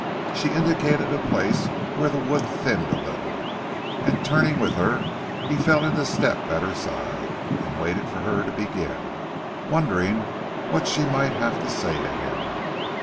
She indicated a place where the wood thinned a little, and turning with her, he fell into step at her side, and waited for her to begin, wondering what she might have to say to him.